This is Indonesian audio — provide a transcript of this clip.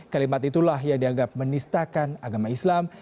kalimat itulah yang dianggap menistakan agama islam